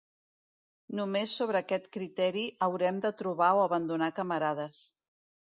Només sobre aquest criteri haurem de trobar o abandonar camarades.